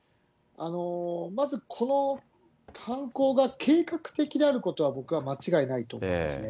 まずこの犯行が計画的であることは、僕は間違いないと思いますね。